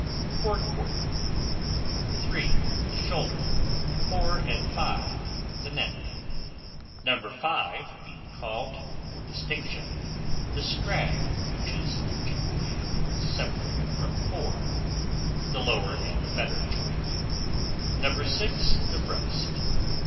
Fore quarter: No. 3, the shoulder; 4 and 5 the neck; No. 5 being called, for distinction, the scrag, which is generally afterwards separated from 4, the lower and better joint; No. 6, the breast.